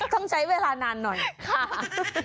ต้องใช้เวลานานหน่อยค่ะ